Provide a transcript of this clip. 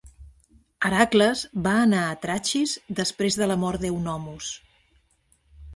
Heracles va anar a Trachis després de la mort d"Eunomus.